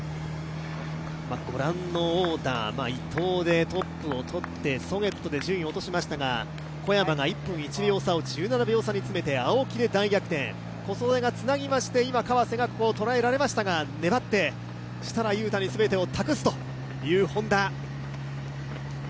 ご覧のオーダー、伊藤でトップをとってソゲットで順位を落としましたが小山が１分１秒差を１７秒差に詰めて青木で大逆転、小袖がつなぎまして今、川瀬がここを捉えられましたが粘って設楽悠太に全てを託すというＨｏｎｄａ。